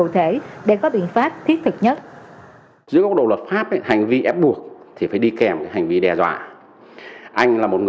thì mình khi mình nhập ba cái là toàn là một kg